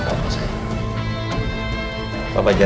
clara buat kawan saya